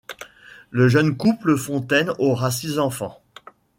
Le jeune couple Fontaine aura six enfants.